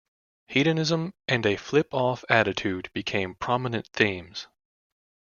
Hedonism and a flip-off attitude became prominent themes.